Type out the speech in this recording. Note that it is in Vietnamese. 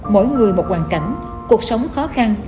mỗi người một hoàn cảnh cuộc sống khó khăn